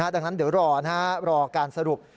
ดังนั้นเดี๋ยวรอการสรุป